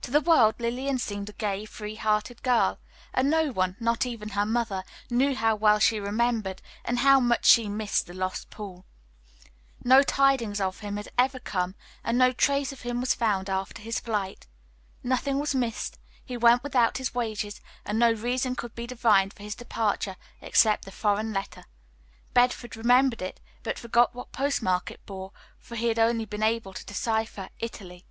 To the world Lillian seemed a gay, free hearted girl; and no one, not even her mother, knew how well she remembered and how much she missed the lost Paul. No tidings of him had ever come, and no trace of him was found after his flight. Nothing was missed, he went without his wages, and no reason could be divined for his departure except the foreign letter. Bedford remembered it, but forgot what postmark it bore, for he had only been able to decipher "Italy."